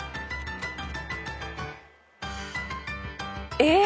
えっ？